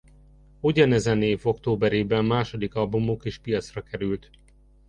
Ugyanezen év októberében második albumuk is piacra került.